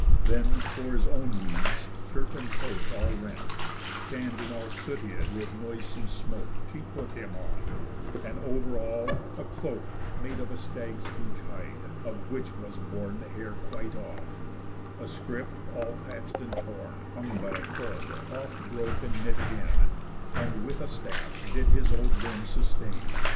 Then, for his own weeds, shirt and coat, all rent, Tann'd, and all sootiéd with noisome smoke, She put him on; and, over all, a cloke Made of a stag's huge hide, of which was worn The hair quite off; a scrip, all patch'd and torn, Hung by a cord, oft broke and knit again; And with a staff did his old limbs sustain.